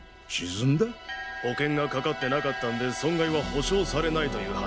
保険がかかってなかったんで損害は補償されないという話だ。